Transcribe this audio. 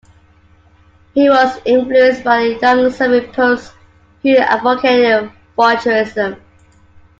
He was influenced by the young Soviet poets who advocated Futurism.